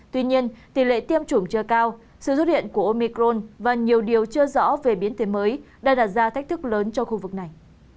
tuy nhiên tỷ lệ tiêm chủng chưa cao sự xuất hiện của omicron và nhiều điều chưa rõ về biến tiên mới đã đặt ra thách thức lớn cho khu vực này